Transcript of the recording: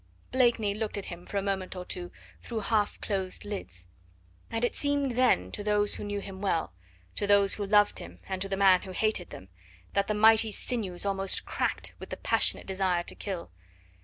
Blakeney looked at him for a moment or two through half closed lids, and it seemed then to those who knew him well, to those who loved him and to the man who hated him, that the mighty sinews almost cracked with the passionate desire to kill.